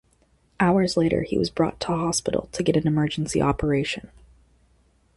Hours later he was brought to hospital to get an emergency operation.